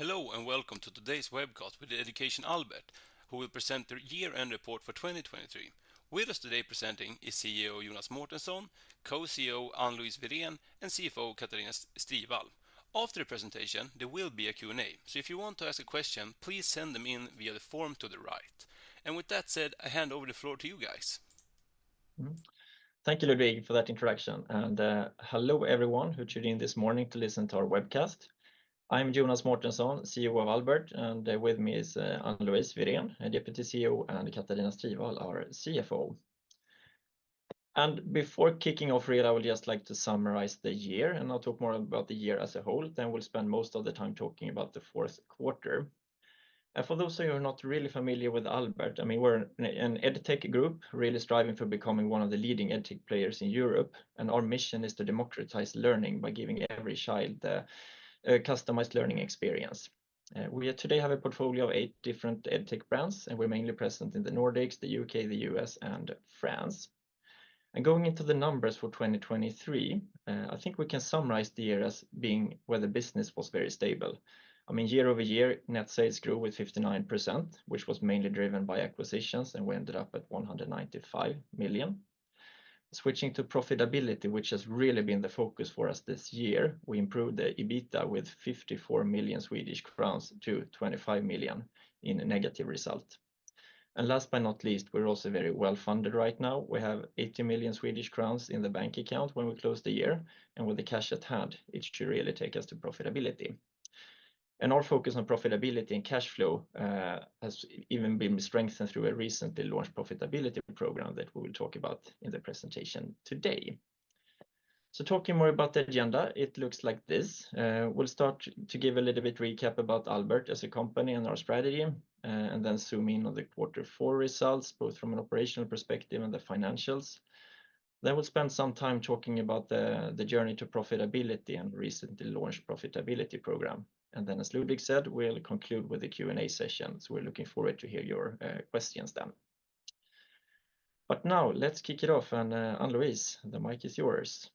Hello, and welcome to today's webcast with eEducation Albert, who will present their year-end report for 2023. With us today presenting is CEO Jonas Mårtensson, Co-CEO Ann-Louise Wirén, and CFO Katarina Strivall. After the presentation, there will be a Q&A, so if you want to ask a question, please send them in via the form to the right. With that said, I hand over the floor to you guys. Thank you, Ludwig, for that introduction, and hello, everyone, who tuned in this morning to listen to our webcast. I'm Jonas Mårtensson, CEO of Albert, and with me is Anne-Louise Wirén, Deputy CEO, and Katarina Strivall, our CFO. Before kicking off real, I would just like to summarize the year, and I'll talk more about the year as a whole. Then we'll spend most of the time talking about the Q4. For those of you who are not really familiar with Albert, I mean, we're an edtech group, really striving for becoming one of the leading edtech players in Europe, and our mission is to democratize learning by giving every child a customized learning experience. We today have a portfolio of eight different edtech brands, and we're mainly present in the Nordics, the U.K., the U.S., and France. Going into the numbers for 2023, I think we can summarize the year as being where the business was very stable. I mean, year-over-year, net sales grew with 59%, which was mainly driven by acquisitions, and we ended up at 195 million. Switching to profitability, which has really been the focus for us this year, we improved the EBITDA with 54 million Swedish crowns to 25 million in a negative result. Last but not least, we're also very well-funded right now. We have 80 million Swedish crowns in the bank account when we closed the year, and with the cash at hand, it should really take us to profitability. Our focus on profitability and cash flow has even been strengthened through a recently launched profitability program that we will talk about in the presentation today. So talking more about the agenda, it looks like this. We'll start to give a little bit recap about Albert as a company and our strategy, and then zoom in on the Q4 results, both from an operational perspective and the financials. Then we'll spend some time talking about the journey to profitability and recently launched profitability program. And then, as Ludwig said, we'll conclude with a Q&A session, so we're looking forward to hear your questions then. But now, let's kick it off, and Ann-Louise, the mic is yours.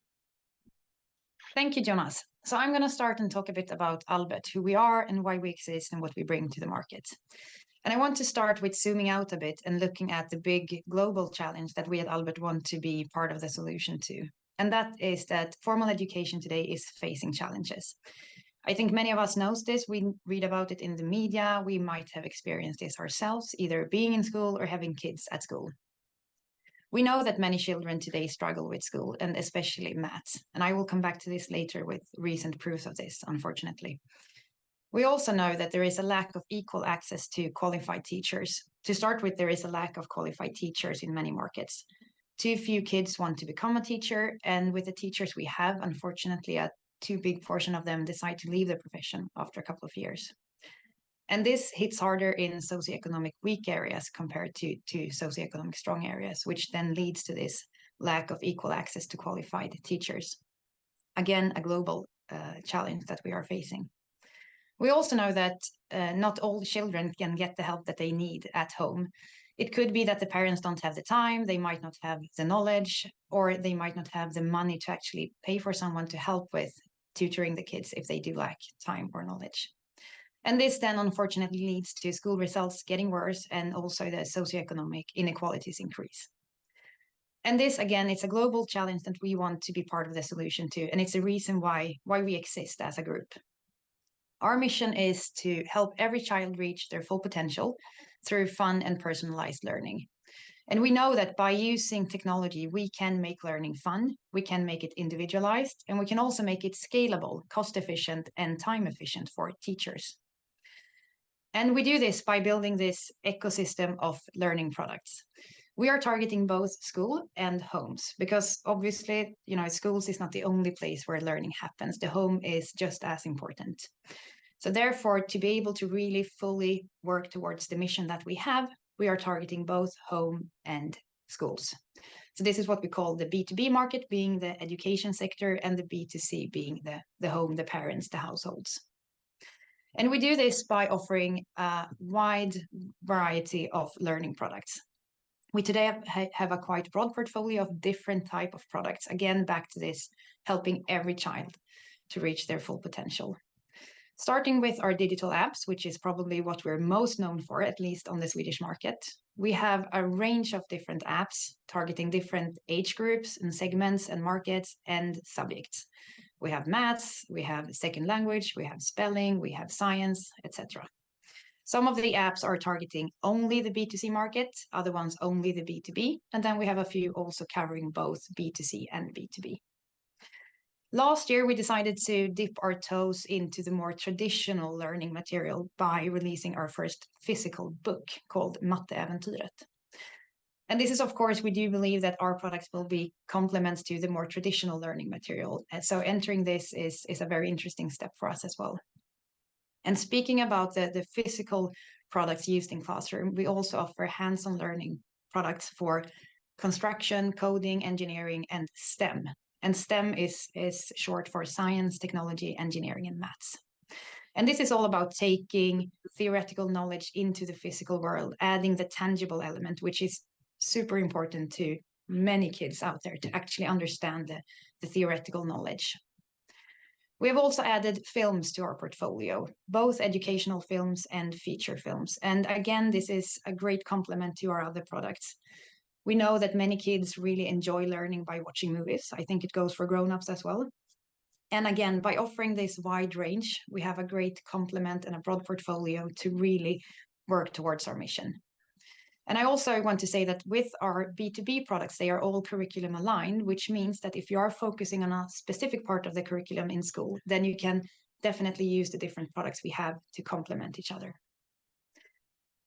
Thank you, Jonas. So I'm gonna start and talk a bit about Albert, who we are, and why we exist, and what we bring to the market. And I want to start with zooming out a bit and looking at the big global challenge that we at Albert want to be part of the solution to, and that is that formal education today is facing challenges. I think many of us knows this. We read about it in the media. We might have experienced this ourselves, either being in school or having kids at school. We know that many children today struggle with school, and especially math, and I will come back to this later with recent proof of this, unfortunately. We also know that there is a lack of equal access to qualified teachers. To start with, there is a lack of qualified teachers in many markets. Too few kids want to become a teacher, and with the teachers we have, unfortunately, a too big portion of them decide to leave the profession after a couple of years. And this hits harder in socioeconomic weak areas compared to socioeconomic strong areas, which then leads to this lack of equal access to qualified teachers. Again, a global challenge that we are facing. We also know that not all children can get the help that they need at home. It could be that the parents don't have the time, they might not have the knowledge, or they might not have the money to actually pay for someone to help with tutoring the kids if they do lack time or knowledge. And this then, unfortunately, leads to school results getting worse and also the socioeconomic inequalities increase. This, again, is a global challenge that we want to be part of the solution to, and it's a reason why, why we exist as a group. Our mission is to help every child reach their full potential through fun and personalized learning. We know that by using technology, we can make learning fun, we can make it individualized, and we can also make it scalable, cost-efficient, and time-efficient for teachers. We do this by building this ecosystem of learning products. We are targeting both school and homes because obviously, you know, schools is not the only place where learning happens. The home is just as important. Therefore, to be able to really fully work towards the mission that we have, we are targeting both home and schools. So this is what we call the B2B market, being the education sector, and the B2C being the home, the parents, the households. And we do this by offering a wide variety of learning products. We today have a quite broad portfolio of different type of products. Again, back to this, helping every child to reach their full potential. Starting with our digital apps, which is probably what we're most known for, at least on the Swedish market, we have a range of different apps targeting different age groups, and segments, and markets, and subjects. We have maths, we have second language, we have spelling, we have science, et cetera. Some of the apps are targeting only the B2C market, other ones only the B2B, and then we have a few also covering both B2C and B2B. Last year, we decided to dip our toes into the more traditional learning material by releasing our first physical book called Matteäventyret. This is, of course, we do believe that our products will be complements to the more traditional learning material, and so entering this is a very interesting step for us as well. Speaking about the physical products used in classroom, we also offer hands-on learning products for construction, coding, engineering, and STEM. STEM is short for science, technology, engineering, and math. This is all about taking theoretical knowledge into the physical world, adding the tangible element, which is super important to many kids out there to actually understand the theoretical knowledge. We have also added films to our portfolio, both educational films and feature films, and again, this is a great complement to our other products. We know that many kids really enjoy learning by watching movies. I think it goes for grown-ups as well. And again, by offering this wide range, we have a great complement and a broad portfolio to really work towards our mission. And I also want to say that with our B2B products, they are all curriculum-aligned, which means that if you are focusing on a specific part of the curriculum in school, then you can definitely use the different products we have to complement each other.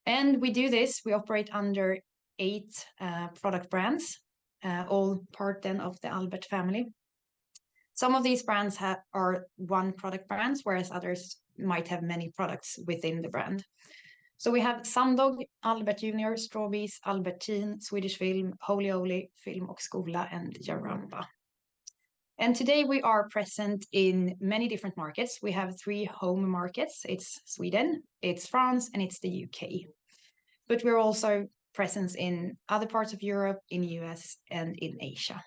And we do this, we operate under eight product brands, all part of the Albert family. Some of these brands are one-product brands, whereas others might have many products within the brand. So we have Sumdog, Albert Junior, Strawbees, Albert Teen, Swedish Film, Holy Owly, Film och Skola, and Jaramba. And today, we are present in many different markets. We have three home markets. It's Sweden, it's France, and it's the U.K., but we're also present in other parts of Europe, in the U.S., and in Asia.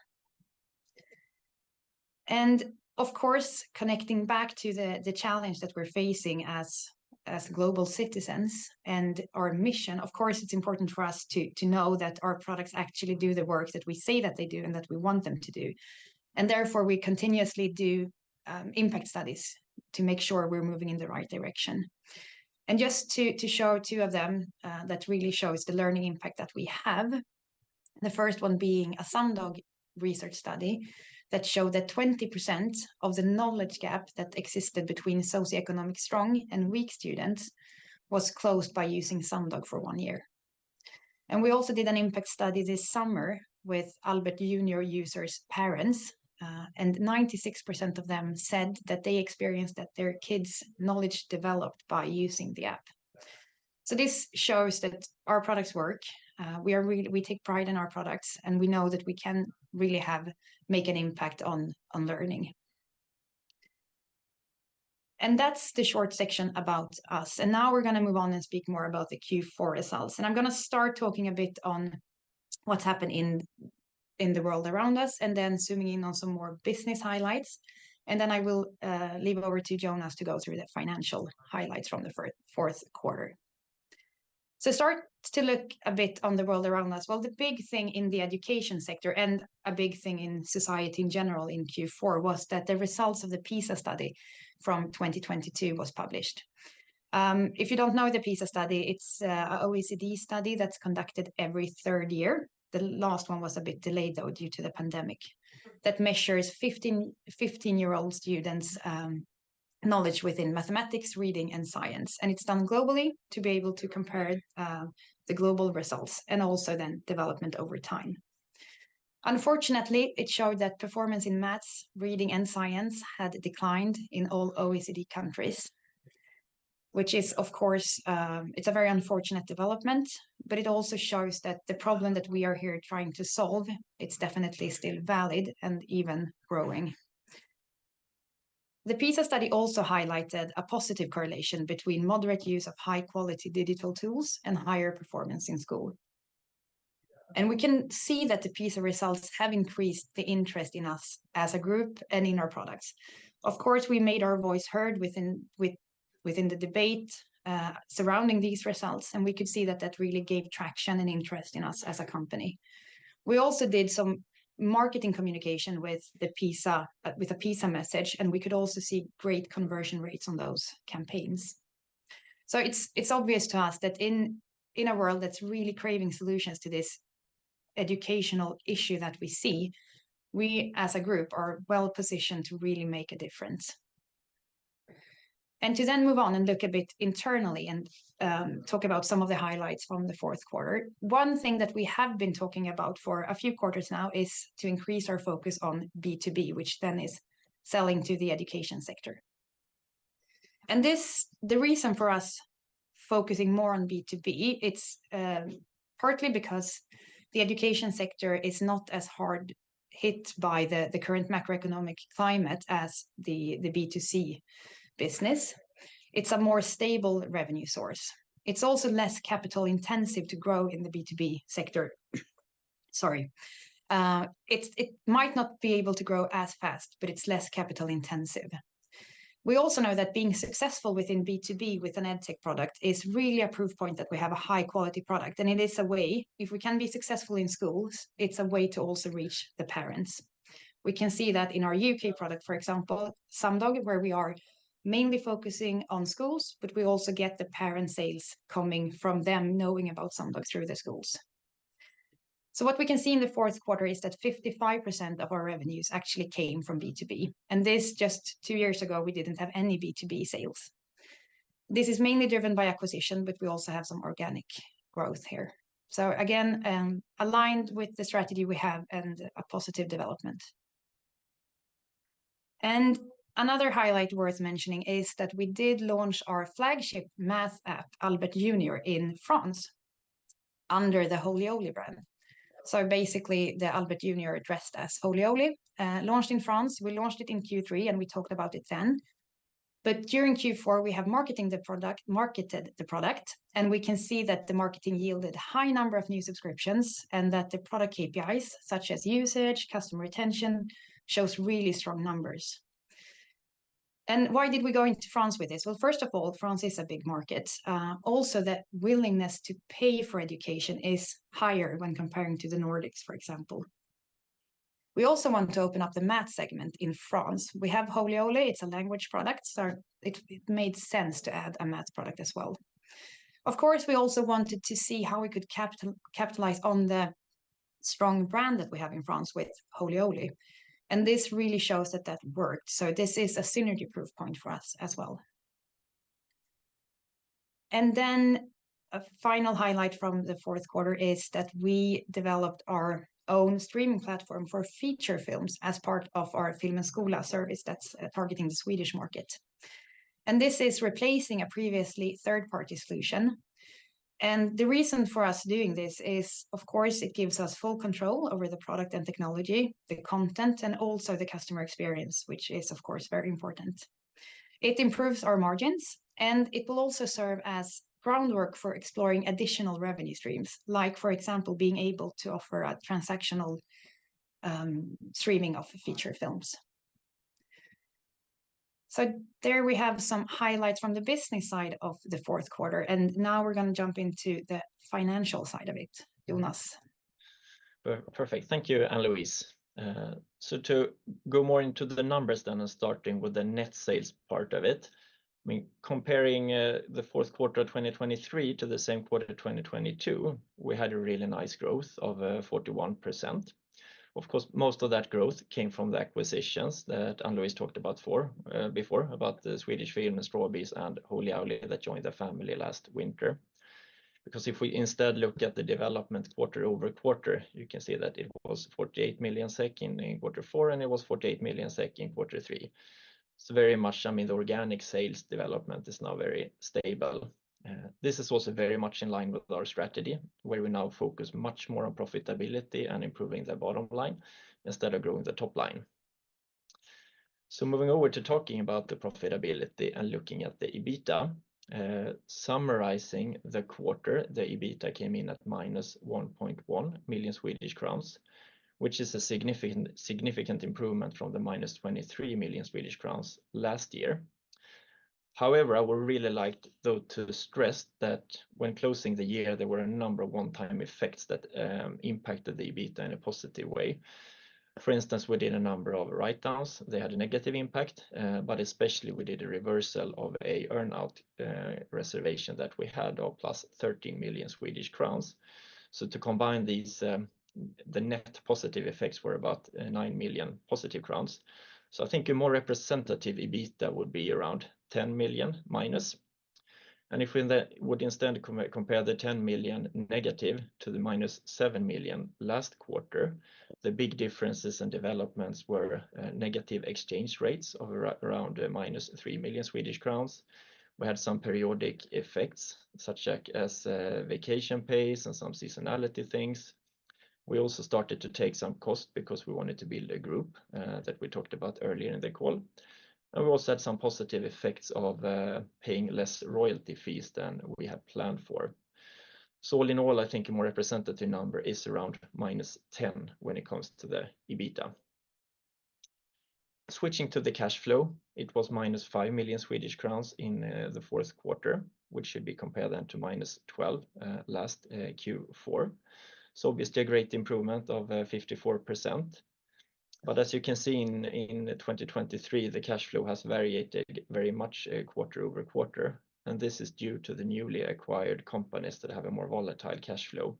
And of course, connecting back to the challenge that we're facing as global citizens and our mission, of course, it's important for us to know that our products actually do the work that we say that they do and that we want them to do. And therefore, we continuously do impact studies to make sure we're moving in the right direction. And just to show two of them that really shows the learning impact that we have, the first one being a Sumdog research study that showed that 20% of the knowledge gap that existed between socioeconomic strong and weak students was closed by using Sumdog for one year. We also did an impact study this summer with Albert Junior users' parents, and 96% of them said that they experienced that their kids' knowledge developed by using the app. So this shows that our products work. We take pride in our products, and we know that we can really have make an impact on learning. That's the short section about us, and now we're gonna move on and speak more about the Q4 results. I'm gonna start talking a bit on what's happened in the world around us, and then zooming in on some more business highlights, and then I will leave it over to Jonas to go through the financial highlights from the Q4. Start to look a bit on the world around us. Well, the big thing in the education sector, and a big thing in society in general in Q4, was that the results of the PISA study from 2022 was published. If you don't know the PISA study, it's an OECD study that's conducted every third year, the last one was a bit delayed, though, due to the pandemic, that measures 15-year-old students' knowledge within mathematics, reading, and science, and it's done globally to be able to compare the global results, and also then development over time. Unfortunately, it showed that performance in math, reading, and science had declined in all OECD countries, which is, of course, it's a very unfortunate development, but it also shows that the problem that we are here trying to solve, it's definitely still valid and even growing. The PISA study also highlighted a positive correlation between moderate use of high-quality digital tools and higher performance in school. We can see that the PISA results have increased the interest in us as a group and in our products. Of course, we made our voice heard within the debate surrounding these results, and we could see that that really gave traction and interest in us as a company. We also did some marketing communication with the PISA message, and we could also see great conversion rates on those campaigns. It's obvious to us that in a world that's really craving solutions to this educational issue that we see, as a group, we are well positioned to really make a difference. To then move on and look a bit internally and talk about some of the highlights from the Q4, one thing that we have been talking about for a few quarters now is to increase our focus on B2B, which then is selling to the education sector. And this, the reason for us focusing more on B2B, it's partly because the education sector is not as hard hit by the current macroeconomic climate as the B2C business. It's a more stable revenue source. It's also less capital-intensive to grow in the B2B sector. It might not be able to grow as fast, but it's less capital-intensive. We also know that being successful within B2B with an EdTech product is really a proof point that we have a high-quality product, and it is a way, if we can be successful in schools, it's a way to also reach the parents. We can see that in our U.K. product, for example, Sumdog, where we are mainly focusing on schools, but we also get the parent sales coming from them knowing about Sumdog through the schools. So what we can see in the Q4 is that 55% of our revenues actually came from B2B, and this, just two years ago, we didn't have any B2B sales. This is mainly driven by acquisition, but we also have some organic growth here. So again, aligned with the strategy we have and a positive development. Another highlight worth mentioning is that we did launch our flagship math app, Albert Junior, in France under the Holy Owly brand. So basically, the Albert Junior addressed as Holy Owly launched in France. We launched it in Q3, and we talked about it then. But during Q4, we marketed the product, and we can see that the marketing yielded high number of new subscriptions and that the product KPIs, such as usage, customer retention, shows really strong numbers. Why did we go into France with this? Well, first of all, France is a big market. Also, the willingness to pay for education is higher when comparing to the Nordics, for example. We also want to open up the math segment in France. We have Holy Owly, it's a language product, so it made sense to add a math product as well. Of course, we also wanted to see how we could capitalize on the strong brand that we have in France with Holy Owly, and this really shows that that worked. So this is a synergy proof point for us as well. And then, a final highlight from the Q4 is that we developed our own streaming platform for feature films as part of our Film och Skola service that's targeting the Swedish market. And this is replacing a previously third-party solution. And the reason for us doing this is, of course, it gives us full control over the product and technology, the content, and also the customer experience, which is, of course, very important. It improves our margins, and it will also serve as groundwork for exploring additional revenue streams, like, for example, being able to offer a transactional streaming of feature films. So there we have some highlights from the business side of the Q4, and now we're gonna jump into the financial side of it. Jonas? Perfect. Thank you, Ann-Louise. So to go more into the numbers then, and starting with the net sales part of it, I mean, comparing the Q4 of 2023 to the same quarter of 2022, we had a really nice growth of 41%. Of course, most of that growth came from the acquisitions that Ann-Louise talked about before, about the Swedish Film and Strawbees and Holy Owly that joined the family last winter. Because if we instead look at the development quarter-over-quarter, you can see that it was 48 million SEK in Q4, and it was 48 million SEK in Q3. So very much, I mean, the organic sales development is now very stable. This is also very much in line with our strategy, where we now focus much more on profitability and improving the bottom line instead of growing the top line. So moving over to talking about the profitability and looking at the EBITDA, summarizing the quarter, the EBITDA came in at -1.1 million Swedish crowns, which is a significant, significant improvement from the -23 million Swedish crowns last year. However, I would really like, though, to stress that when closing the year, there were a number of one-time effects that impacted the EBITDA in a positive way. For instance, we did a number of write-downs. They had a negative impact, but especially we did a reversal of a earn-out reservation that we had of +13 million Swedish crowns. So to combine these, the net positive effects were about +9 million crowns. So I think a more representative EBITDA would be around -10 million. And if we then would instead compare the -10 million to the -7 million last quarter, the big differences and developments were negative exchange rates of around -3 million Swedish crowns. We had some periodic effects, such as vacation pays and some seasonality things. We also started to take some cost because we wanted to build a group that we talked about earlier in the call. And we also had some positive effects of paying less royalty fees than we had planned for. So all in all, I think a more representative number is around -10 million when it comes to the EBITDA. Switching to the cash flow, it was -5 million Swedish crowns in the Q4, which should be compared then to -12 million last Q4. So obviously, a great improvement of 54%. But as you can see in 2023, the cash flow has varied very much quarter-over-quarter, and this is due to the newly acquired companies that have a more volatile cash flow.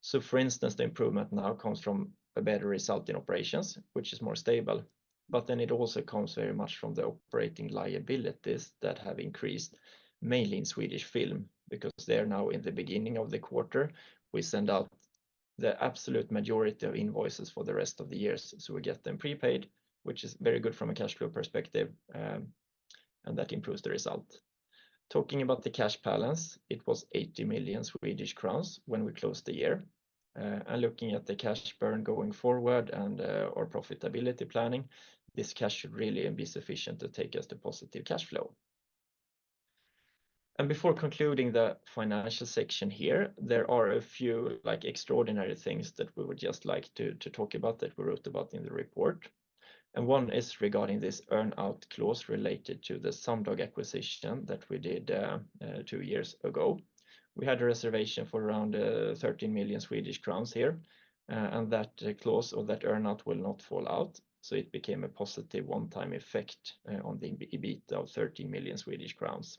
So, for instance, the improvement now comes from a better result in operations, which is more stable, but then it also comes very much from the operating liabilities that have increased, mainly in Swedish Film, because they are now in the beginning of the quarter. We send out the absolute majority of invoices for the rest of the years, so we get them prepaid, which is very good from a cash flow perspective, and that improves the result. Talking about the cash balance, it was 80 million Swedish crowns when we closed the year. And looking at the cash burn going forward and our profitability planning, this cash should really be sufficient to take us to positive cash flow. And before concluding the financial section here, there are a few, like, extraordinary things that we would just like to talk about that we wrote about in the report. And one is regarding this earn-out clause related to the Sumdog acquisition that we did two years ago. We had a reservation for around 13 million Swedish crowns here, and that clause or that earn-out will not fall out, so it became a positive one-time effect on the EBITDA of 13 million Swedish crowns.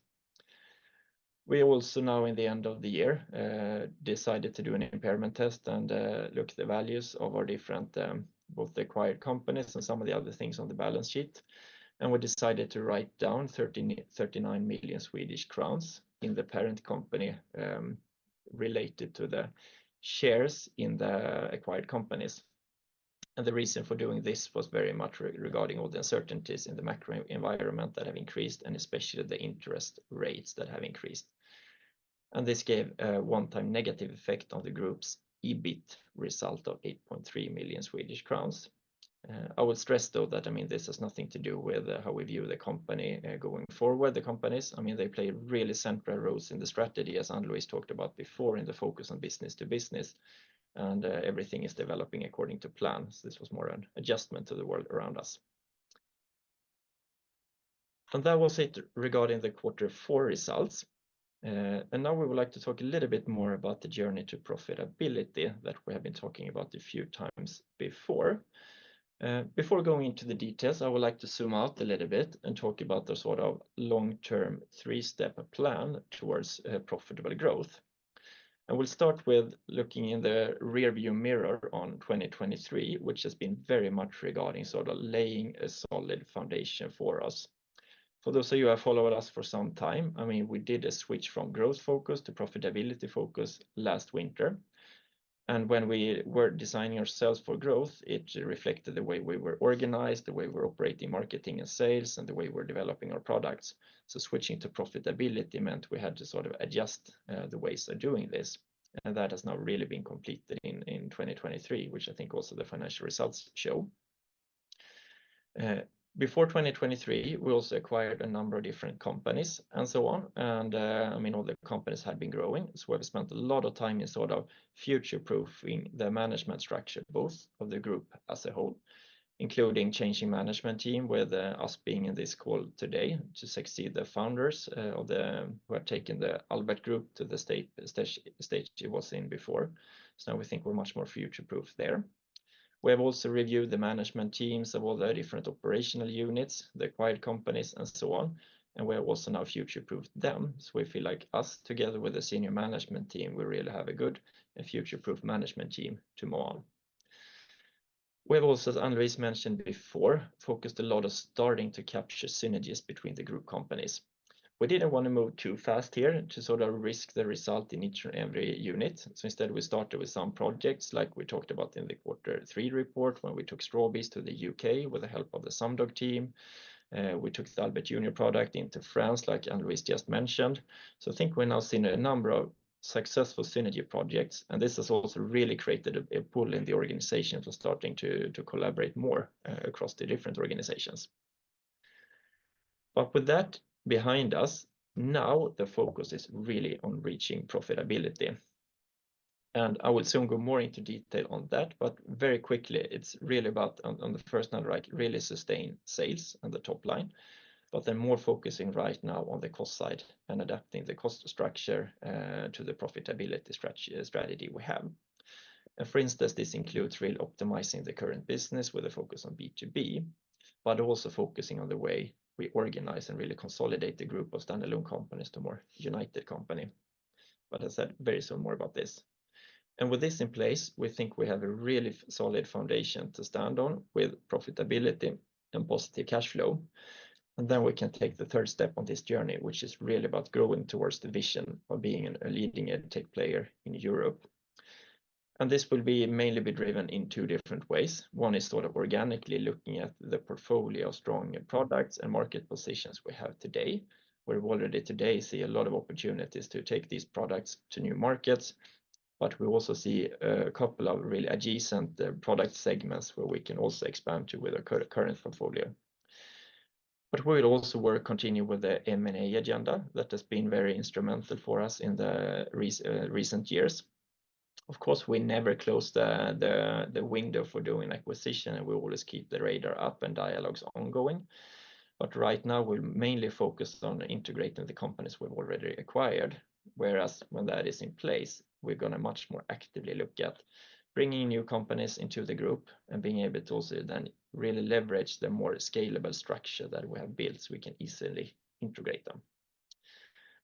We also now, in the end of the year, decided to do an impairment test and look at the values of our different, both the acquired companies and some of the other things on the balance sheet. We decided to write down 39 million Swedish crowns in the parent company, related to the shares in the acquired companies. The reason for doing this was very much regarding all the uncertainties in the macro environment that have increased, and especially the interest rates that have increased. And this gave a one-time negative effect on the group's EBIT result of 8.3 million Swedish crowns. I would stress, though, that, I mean, this has nothing to do with how we view the company going forward. The companies, I mean, they play really central roles in the strategy, as Ann-Louise talked about before, in the focus on business to business, and everything is developing according to plan. So this was more an adjustment to the world around us. And that was it regarding the Q4 results. And now we would like to talk a little bit more about the journey to profitability that we have been talking about a few times before. Before going into the details, I would like to zoom out a little bit and talk about the sort of long-term, three-step plan towards profitable growth. We'll start with looking in the rearview mirror on 2023, which has been very much regarding sort of laying a solid foundation for us. For those of you who have followed us for some time, I mean, we did a switch from growth focus to profitability focus last winter. When we were designing ourselves for growth, it reflected the way we were organized, the way we're operating marketing and sales, and the way we're developing our products. So switching to profitability meant we had to sort of adjust the ways of doing this, and that has now really been completed in 2023, which I think also the financial results show. Before 2023, we also acquired a number of different companies, and so on, and I mean, all the companies had been growing. So we've spent a lot of time in sort of future-proofing the management structure, both of the group as a whole, including changing management team, with us being in this call today, to succeed the founders who have taken the Albert group to the stage it was in before. So now we think we're much more future-proof there. We have also reviewed the management teams of all the different operational units, the acquired companies, and so on, and we have also now future-proofed them. So we feel like us, together with the senior management team, we really have a good and future-proof management team to move on. We have also, as Ann-Louise mentioned before, focused a lot on starting to capture synergies between the group companies. We didn't want to move too fast here to sort of risk the result in each and every unit. So instead, we started with some projects, like we talked about in the Q3 report, when we took Strawbees to the U.K. with the help of the Sumdog team. We took the Albert Junior product into France, like Ann-Louise just mentioned. So I think we've now seen a number of successful synergy projects, and this has also really created a pool in the organization for starting to collaborate more across the different organizations. But with that behind us, now the focus is really on reaching profitability. I will soon go more into detail on that, but very quickly, it's really about, on, on the first number, like, really sustained sales on the top line, but then more focusing right now on the cost side and adapting the cost structure to the profitability strategy we have. For instance, this includes really optimizing the current business with a focus on B2B, but also focusing on the way we organize and really consolidate the group of standalone companies to a more united company. But I said very soon more about this. With this in place, we think we have a really solid foundation to stand on with profitability and positive cash flow. Then we can take the third step on this journey, which is really about growing towards the vision of being a leading edtech player in Europe. And this will mainly be driven in two different ways. One is sort of organically looking at the portfolio of strong products and market positions we have today, where we already today see a lot of opportunities to take these products to new markets. But we also see a couple of really adjacent product segments where we can also expand to with our current portfolio. But we will also continue to work with the M&A agenda. That has been very instrumental for us in the recent years. Of course, we never close the window for doing acquisition, and we always keep the radar up and dialogues ongoing. But right now, we're mainly focused on integrating the companies we've already acquired, whereas when that is in place, we're gonna much more actively look at bringing new companies into the group and being able to also then really leverage the more scalable structure that we have built so we can easily integrate them.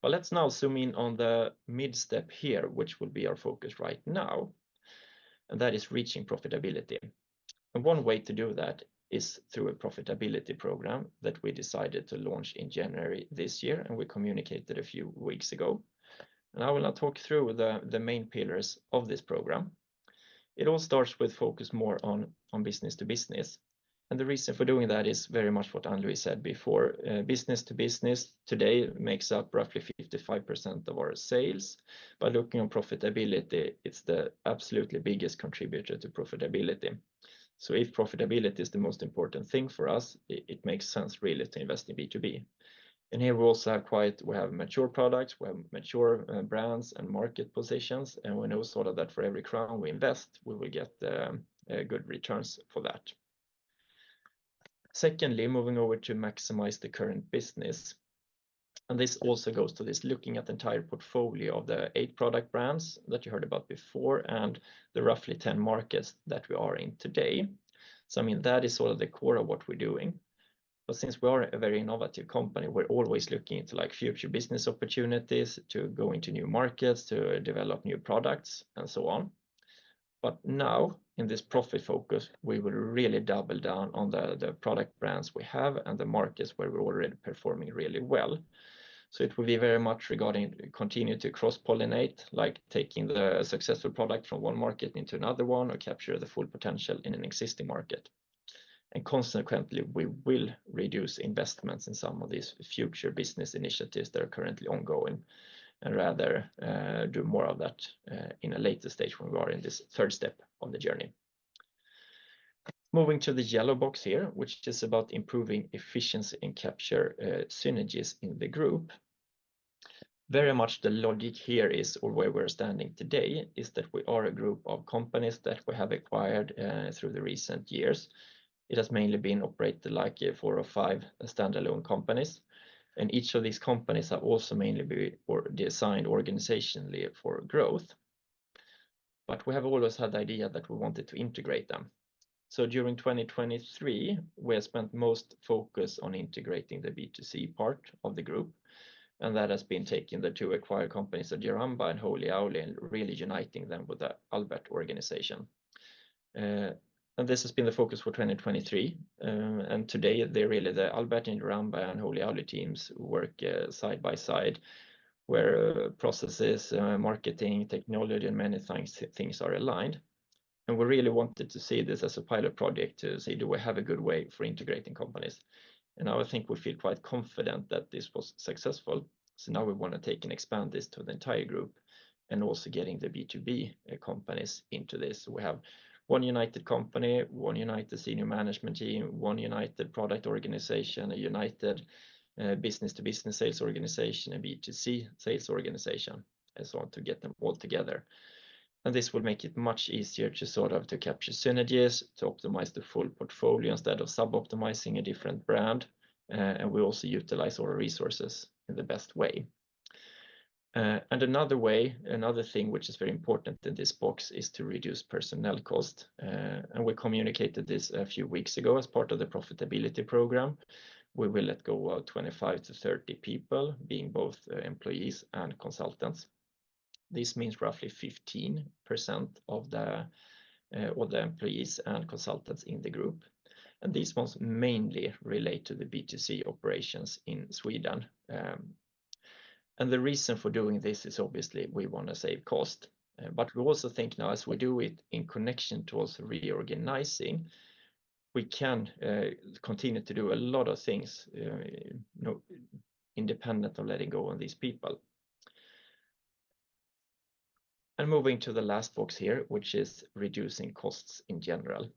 But let's now zoom in on the mid step here, which will be our focus right now, and that is reaching profitability. And one way to do that is through a profitability program that we decided to launch in January this year, and we communicated a few weeks ago. And I will now talk through the main pillars of this program. It all starts with focus more on business to business, and the reason for doing that is very much what Ann-Louise said before. Business to business today makes up roughly 55% of our sales. By looking on profitability, it's the absolutely biggest contributor to profitability. So if profitability is the most important thing for us, it, it makes sense really to invest in B2B. And here we also have quite... We have mature products, we have mature, brands and market positions, and we know sort of that for every SEK we invest, we will get, good returns for that. Secondly, moving over to maximize the current business, and this also goes to this looking at the entire portfolio of the eight product brands that you heard about before and the roughly 10 markets that we are in today. So, I mean, that is sort of the core of what we're doing. But since we are a very innovative company, we're always looking into, like, future business opportunities to go into new markets, to develop new products, and so on. But now, in this profit focus, we will really double down on the product brands we have and the markets where we're already performing really well. So it will be very much regarding continue to cross-pollinate, like taking the successful product from one market into another one or capture the full potential in an existing market.... and consequently, we will reduce investments in some of these future business initiatives that are currently ongoing, and rather, do more of that, in a later stage when we are in this third step on the journey. Moving to the yellow box here, which is about improving efficiency and capture synergies in the group. Very much the logic here is, or where we're standing today, is that we are a group of companies that we have acquired through the recent years. It has mainly been operated like four or five standalone companies, and each of these companies are also mainly been or designed organizationally for growth. But we have always had the idea that we wanted to integrate them. So during 2023, we have spent most focus on integrating the B2C part of the group, and that has been taking the two acquired companies of Jaramba and Holy Owly, and really uniting them with the Albert organization. And this has been the focus for 2023, and today, they're really the Albert and Jaramba, and Holy Owly teams work side by side, where processes, marketing, technology, and many things are aligned. We really wanted to see this as a pilot project to say, "Do we have a good way for integrating companies?" Now I think we feel quite confident that this was successful. So now we want to take and expand this to the entire group and also getting the B2B companies into this. We have one united company, one united senior management team, one united product organization, a united business-to-business sales organization, a B2C sales organization, and so on, to get them all together. This will make it much easier to sort of to capture synergies, to optimize the full portfolio instead of suboptimizing a different brand, and we also utilize our resources in the best way. And another way, another thing which is very important in this box, is to reduce personnel cost, and we communicated this a few weeks ago as part of the profitability program. We will let go of 25-30 people, being both employees and consultants. This means roughly 15% of the employees and consultants in the group, and this must mainly relate to the B2C operations in Sweden. And the reason for doing this is obviously we wanna save cost, but we also think now as we do it in connection towards reorganizing, we can continue to do a lot of things, you know, independent of letting go of these people. Moving to the last box here, which is reducing costs in general.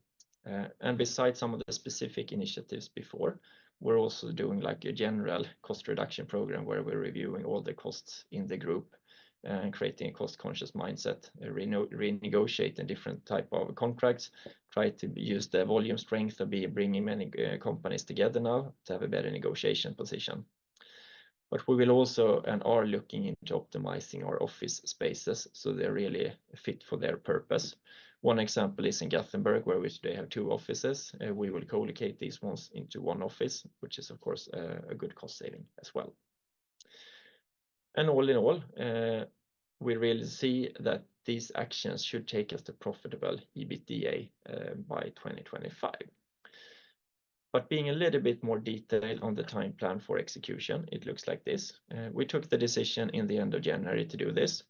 And besides some of the specific initiatives before, we're also doing, like, a general cost reduction program, where we're reviewing all the costs in the group, and creating a cost-conscious mindset, renegotiating different type of contracts, try to use the volume strength and by bringing many companies together now to have a better negotiation position. But we will also and are looking into optimizing our office spaces, so they're really fit for their purpose. One example is in Gothenburg, where we today have two offices, we will co-locate these ones into one office, which is, of course, a good cost saving as well. And all in all, we really see that these actions should take us to profitable EBITDA by 2025. But being a little bit more detailed on the time plan for execution, it looks like this. We took the decision in the end of January to do this.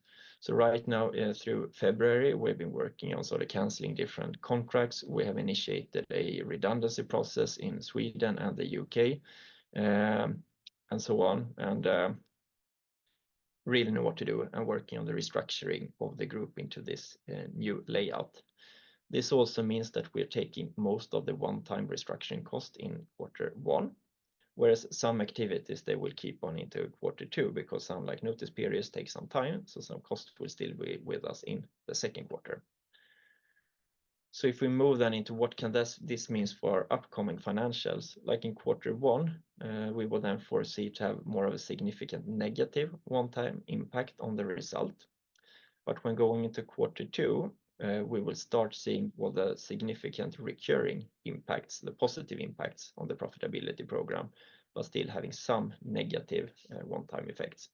So right now, through February, we've been working on sort of canceling different contracts. We have initiated a redundancy process in Sweden and the U.K., and so on, and really know what to do and working on the restructuring of the group into this new layout. This also means that we're taking most of the one-time restructuring cost in Q1, whereas some activities, they will keep on into Q2, because some, like, notice periods take some time, so some costs will still be with us in the Q2. So if we move then into what can this, this means for our upcoming financials, like in Q1, we will then foresee to have more of a significant negative one-time impact on the result. But when going into Q2, we will start seeing the significant recurring impacts, the positive impacts on the profitability program, but still having some negative, one-time effects.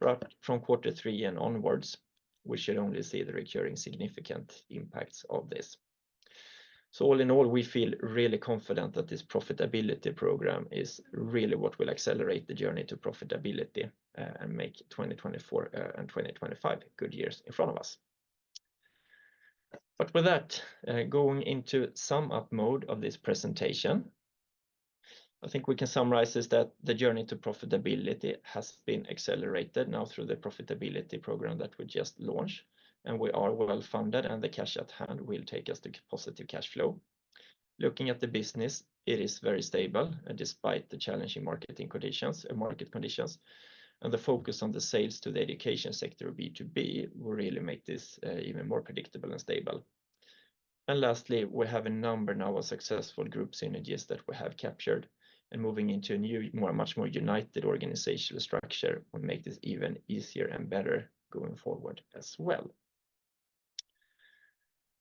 But from Q3 and onwards, we should only see the recurring significant impacts of this. So all in all, we feel really confident that this profitability program is really what will accelerate the journey to profitability, and make 2024, and 2025 good years in front of us. But with that, going into sum up mode of this presentation, I think we can summarize is that the journey to profitability has been accelerated now through the profitability program that we just launched, and we are well-funded, and the cash at hand will take us to positive cash flow. Looking at the business, it is very stable, and despite the challenging marketing conditions, market conditions and the focus on the sales to the education sector, B2B, will really make this, even more predictable and stable. And lastly, we have a number now of successful group synergies that we have captured, and moving into a new, more, much more united organizational structure will make this even easier and better going forward as well.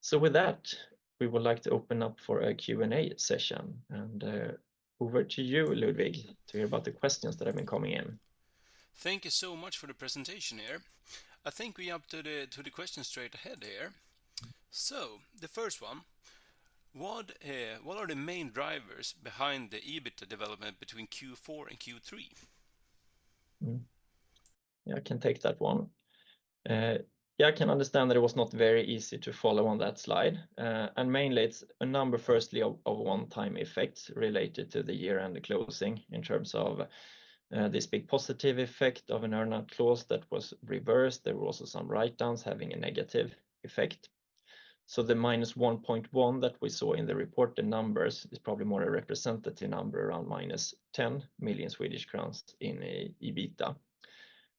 So with that, we would like to open up for a Q&A session, and, over to you, Ludwig, to hear about the questions that have been coming in. Thank you so much for the presentation here. I think we up to the questions straight ahead here. So the first one: What, what are the main drivers behind the EBITDA development between Q4 and Q3?... Mm-hmm. Yeah, I can take that one. Yeah, I can understand that it was not very easy to follow on that slide. And mainly it's a number, firstly, of one-time effects related to the year-end closing in terms of this big positive effect of an earn-out clause that was reversed. There were also some write-downs having a negative effect. So the -1.1 that we saw in the reported numbers is probably more a representative number, around -10 million Swedish crowns in EBITDA.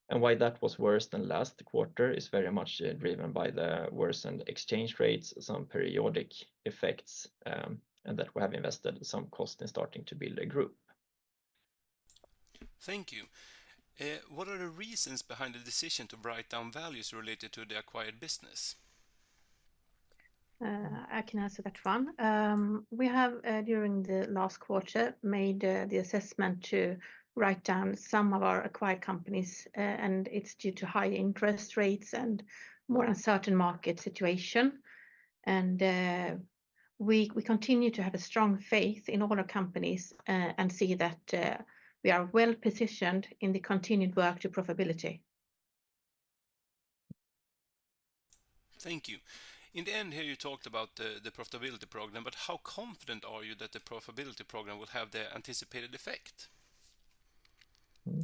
And why that was worse than last quarter is very much driven by the worsened exchange rates, some periodic effects, and that we have invested some cost in starting to build a group. Thank you. What are the reasons behind the decision to write down values related to the acquired business? I can answer that one. We have, during the last quarter, made the assessment to write down some of our acquired companies, and it's due to high interest rates and more uncertain market situation. We continue to have a strong faith in all our companies, and see that we are well-positioned in the continued work to profitability. Thank you. In the end here, you talked about the profitability program, but how confident are you that the profitability program will have the anticipated effect? Mm-hmm.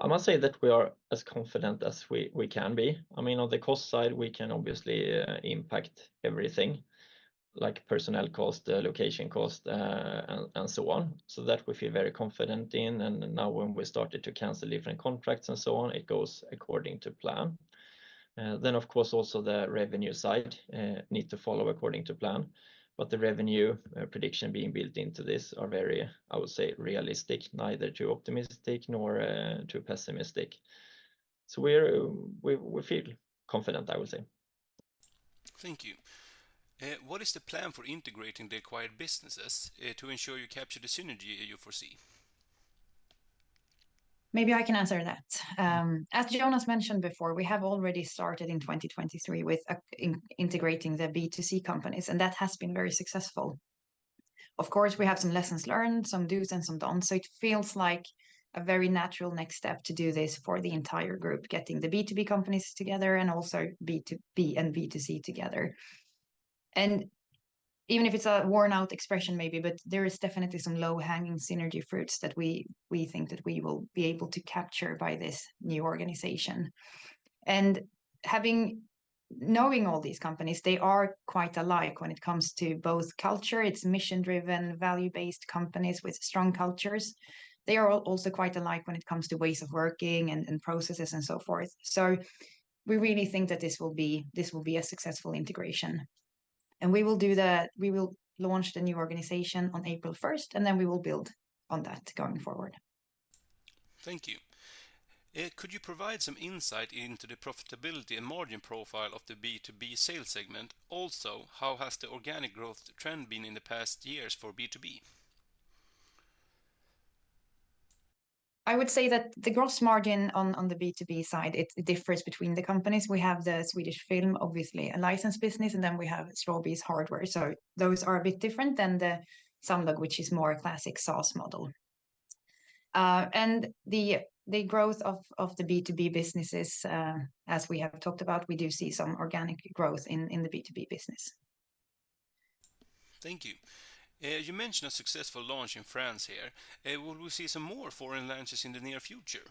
I must say that we are as confident as we can be. I mean, on the cost side, we can obviously impact everything, like personnel cost, location cost, and so on, so that we feel very confident in. And now when we started to cancel different contracts and so on, it goes according to plan. Then, of course, also the revenue side needs to follow according to plan, but the revenue prediction being built into this are very, I would say, realistic, neither too optimistic nor too pessimistic. So we feel confident, I would say. Thank you. What is the plan for integrating the acquired businesses, to ensure you capture the synergy you foresee? Maybe I can answer that. As Jonas mentioned before, we have already started in 2023 with integrating the B2C companies, and that has been very successful. Of course, we have some lessons learned, some dos and don'ts, so it feels like a very natural next step to do this for the entire group, getting the B2B companies together and also B2B and B2C together. And even if it's a worn-out expression, maybe, but there is definitely some low-hanging synergy fruits that we think that we will be able to capture by this new organization. And knowing all these companies, they are quite alike when it comes to both culture, it's mission-driven, value-based companies with strong cultures. They are all also quite alike when it comes to ways of working and processes and so forth. So we really think that this will be, this will be a successful integration. And we will do that, we will launch the new organization on April 1st, and then we will build on that going forward. Thank you. Could you provide some insight into the profitability and margin profile of the B2B sales segment? Also, how has the organic growth trend been in the past years for B2B? I would say that the gross margin on the B2B side, it differs between the companies. We have the Swedish Film, obviously, a licensed business, and then we have Strawbees hardware, so those are a bit different than the Sumdog, which is more a classic SaaS model. And the growth of the B2B businesses, as we have talked about, we do see some organic growth in the B2B business. Thank you. You mentioned a successful launch in France here. Will we see some more foreign launches in the near future?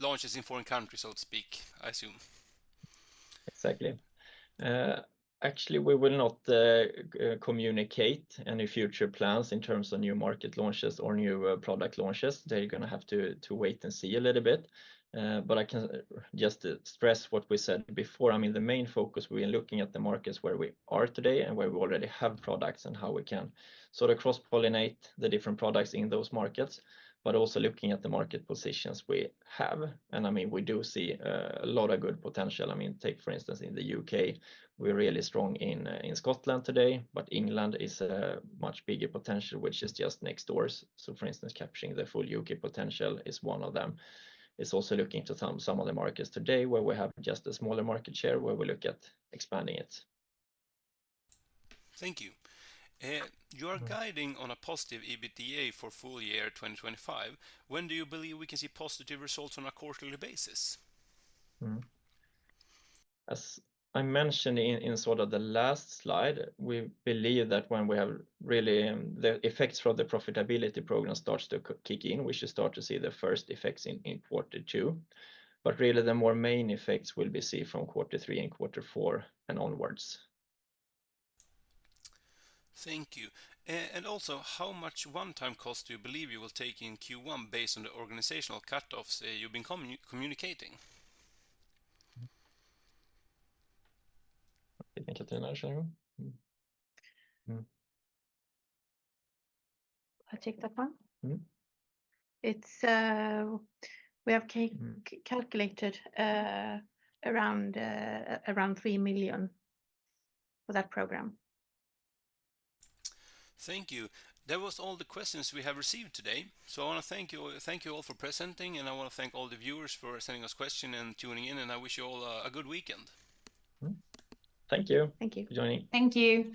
Launches in foreign countries, so to speak, I assume. Exactly. Actually, we will not communicate any future plans in terms of new market launches or new product launches. They're going to have to wait and see a little bit. But I can just stress what we said before. I mean, the main focus, we are looking at the markets where we are today and where we already have products and how we can sort of cross-pollinate the different products in those markets, but also looking at the market positions we have. And I mean, we do see a lot of good potential. I mean, take, for instance, in the U.K., we're really strong in Scotland today, but England is a much bigger potential, which is just next door. So, for instance, capturing the full U.K. potential is one of them. It's also looking to some of the markets today where we have just a smaller market share, where we look at expanding it. Thank you. You are guiding on a positive EBITDA for full year 2025. When do you believe we can see positive results on a quarterly basis? Mm-hmm. As I mentioned in sort of the last slide, we believe that when we have really... The effects from the profitability program starts to kick in, we should start to see the first effects in Q2. But really, the more main effects will be seen from Q3 and Q4 and onwards. Thank you. And also, how much one-time cost do you believe you will take in Q1 based on the organizational cutoffs, you've been communicating? You can take that, Katarina? Mm-hmm. I'll take that one. Mm-hmm. It's, we have calculated around 3 million for that program. Thank you. That was all the questions we have received today. So I want to thank you, thank you all for presenting, and I want to thank all the viewers for sending us questions and tuning in, and I wish you all a good weekend. Mm-hmm. Thank you- Thank you... for joining. Thank you.